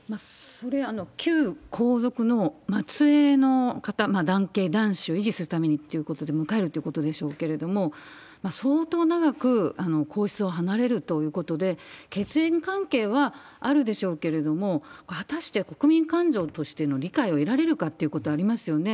それ、旧皇族の末えいの方、男系男子を維持するためにということで迎えるってことでしょうけれども、相当長く皇室を離れるということで、血縁関係はあるでしょうけれども、果たして国民感情としての理解を得られるかということがありますよね。